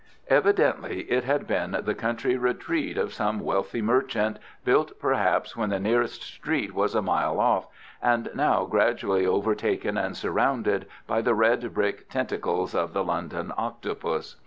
Evidently it had been the country retreat of some wealthy merchant, built perhaps when the nearest street was a mile off, and now gradually overtaken and surrounded by the red brick tentacles of the London octopus.